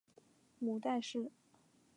母戴氏。